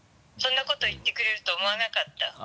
そんなこと言ってくれるとは思わなかった。